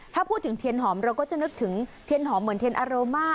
ถ้าพูดถึงเทียนหอมเราก็จะนึกถึงเทียนหอมเหมือนเทียนอาโรมา